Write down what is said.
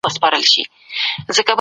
سياسي بنسټونه عامه ګټي خوندي کوي.